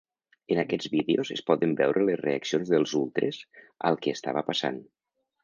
En aquests vídeos es poden veure les reaccions dels ultres al que estava passant.